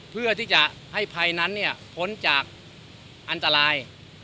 เพื่อที่จะให้ภัยนั้นพ้นจากอันตราย